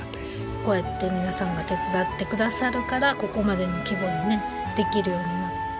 こうやって皆さんが手伝ってくださるからここまでの規模でねできるようになったんだなと思って。